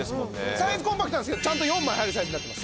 サイズコンパクトですけどちゃんと４枚入るサイズになってます。